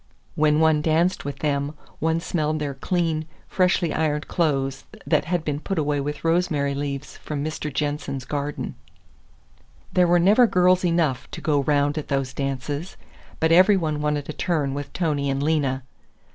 When one danced with them, one smelled their clean, freshly ironed clothes that had been put away with rosemary leaves from Mr. Jensen's garden. There were never girls enough to go round at those dances, but every one wanted a turn with Tony and Lena.